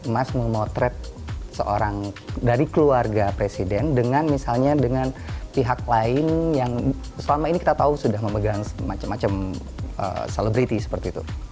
mas memotret seorang dari keluarga presiden dengan misalnya dengan pihak lain yang selama ini kita tahu sudah memegang macam macam selebriti seperti itu